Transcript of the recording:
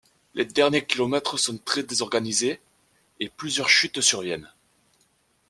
Les derniers kilomètres sont très désorganisés et plusieurs chutes surviennent.